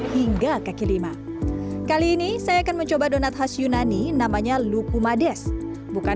hingga kaki lima kali ini saya akan mencoba donat khas yunani namanya lukumades bukan